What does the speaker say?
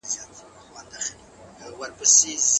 نیکمرغه او روښانه لري.